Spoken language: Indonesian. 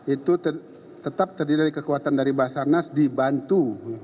itu tetap terdiri dari kekuatan dari basarnas dibantu